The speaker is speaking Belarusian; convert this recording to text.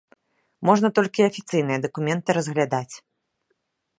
Можна толькі афіцыйная дакументы разглядаць.